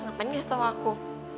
ngapain gak setau aku